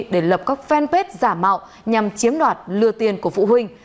để lập các fanpage giả mạo nhằm chiếm đoạt lừa tiền của phụ huynh